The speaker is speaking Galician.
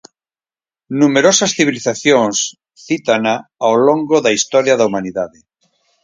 Numerosas civilizacións cítana ao longo da historia da humanidade.